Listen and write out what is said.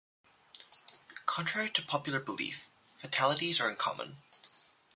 Contrary to popular belief, fatalities are uncommon.